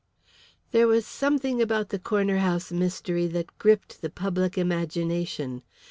There was something about the Corner House mystery that gripped the public imagination.